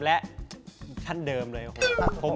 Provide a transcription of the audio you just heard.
และท่านเดิมเลยครับผม